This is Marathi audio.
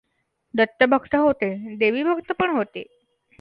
दत्तभक्त होते, देवीभक्त पण होते.